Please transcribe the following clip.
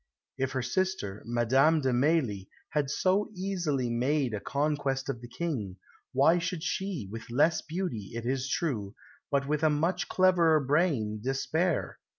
If her sister, Madame de Mailly, had so easily made a conquest of the King, why should she, with less beauty, it is true, but with a much cleverer brain, despair?